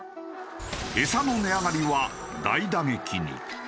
餌の値上がりは大打撃に。